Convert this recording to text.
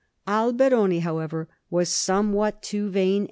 Alberoni, however, was somewhat too vain and VOL.